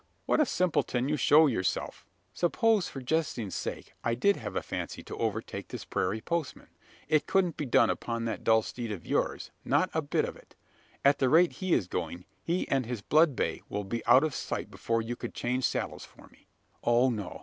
What a simpleton you show yourself! Suppose, for jesting's sake, I did have a fancy to overtake this prairie postman! It couldn't be done upon that dull steed of yours: not a bit of it! At the rate he is going, he and his blood bay will be out of sight before you could change saddles for me. Oh, no!